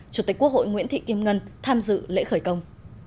chủ tịch quốc hội nguyễn thị kim ngân tham dự lễ khởi công